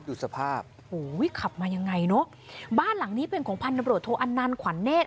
ดูสภาพโอ้โหขับมายังไงเนอะบ้านหลังนี้เป็นของพันธบรวจโทอันนันขวัญเนธ